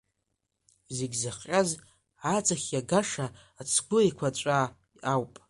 Зегь зыхҟьаз, ацхь иагаша, ацгәы еиқәаҵәа ауп.